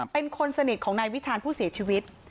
เป็นคนสนิทของนายวิชาญผู้เสียชีวิต